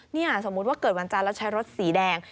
นี่สมมุติว่าเกิดวันจันทร์แล้วใช้รถสีแดง